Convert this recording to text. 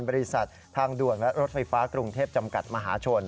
บริษัททางด่วนและรถไฟฟ้ากรุงเทพจำกัดมหาชน